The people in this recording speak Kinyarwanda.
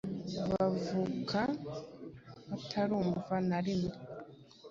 bavuka batarumva na rimwe